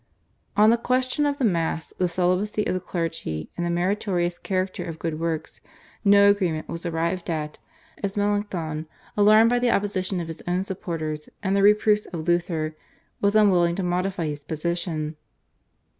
On the question of the Mass, the celibacy of the clergy, and the meritorious character of good works, no agreement was arrived at, as Melanchthon, alarmed by the opposition of his own supporters and the reproofs of Luther, was unwilling to modify his position.